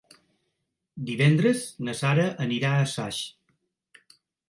Divendres na Sara anirà a Saix.